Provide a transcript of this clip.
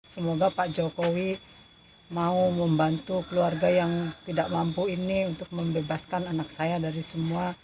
semoga pak jokowi mau membantu keluarga yang tidak mampu ini untuk membebaskan anak saya dari semua